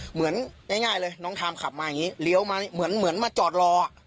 เหมือนง่ายเลยน้องทามขับมาอย่างนี้เลี้ยวมาเหมือนมาจอดรอ